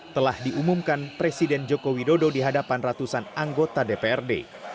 telah diumumkan presiden joko widodo di hadapan ratusan anggota dprd